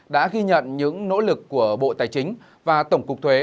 đã ghi nhận những nỗ lực của bộ tài chính và tổng cục thuế